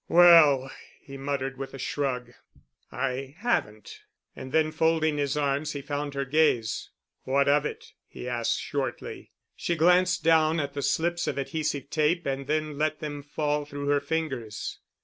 "Well," he muttered with a shrug, "I haven't." And then, folding his arms he found her gaze. "What of it?" he asked shortly. She glanced down at the slips of adhesive tape and then let them fall through her fingers.